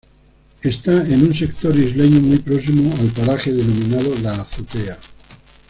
Está en un sector isleño muy próximo al paraje denominado La Azotea.